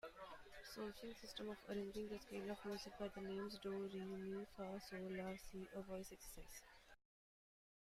Solfaing system of arranging the scale of music by the names do, re, mi, fa, sol, la, si a voice exercise.